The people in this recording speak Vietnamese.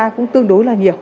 cũng tương đối là nhiều